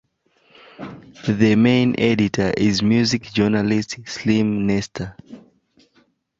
The main editor is music journalist Siim Nestor.